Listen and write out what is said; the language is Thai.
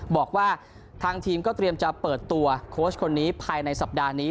บอกว่าทางทีมก็เตรียมจะเปิดตัวโค้ชคนนี้ภายในสัปดาห์นี้